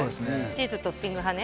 チーズトッピング派ね